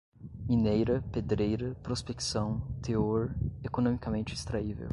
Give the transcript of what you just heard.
mineira, pedreira, prospecção, teor, economicamente extraível